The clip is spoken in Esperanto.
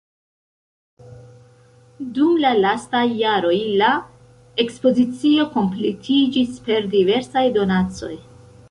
Dum la lastaj jaroj la ekspozicio kompletiĝis per diversaj donacoj.